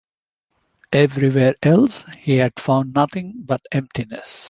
Everywhere else he had found nothing but emptiness.